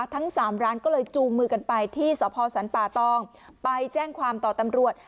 ทั้งสามร้านก็เลยจูงมือกันไปที่สพสรรป่าตองไปแจ้งความต่อตำรวจ